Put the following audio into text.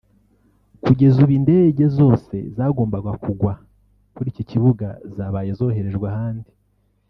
Kugeza ubu indege zose zagombaga kugwa kuri iki kibuga zabaye zoherejwe ahandi